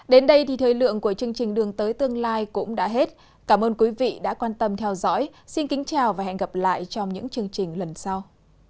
đến đây thì thời lượng của chương trình đường tới tương lai cũng đã hết cảm ơn quý vị đã quan tâm theo dõi xin kính chào và hẹn gặp lại trong những chương trình lần sau